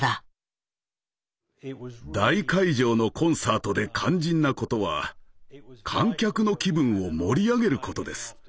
大会場のコンサートで肝心なことは観客の気分を盛り上げることです。